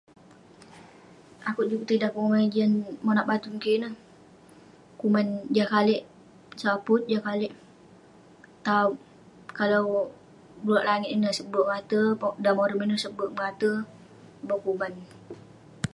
Akouk juk petidah penguman yah jian monak batung kik ineh ; kuman jah kalik saput, jah kalik taop. Kalau beluak langit ineh, sep be'ek mengate. Pe- dan morem ineh sep be'ek mengate. Iboh kuman.